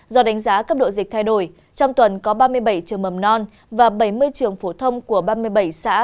do đánh giá cấp độ dịch thay đổi trong tuần có ba mươi bảy trường mầm non và bảy mươi trường phổ thông của ba mươi bảy xã